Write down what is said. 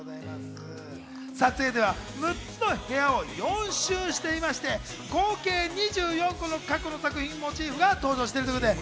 撮影では６つの部屋を４周していまして、合計２４個の過去の作品モチーフが登場しているんです。